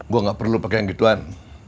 gue gak perlu pakai yang gituan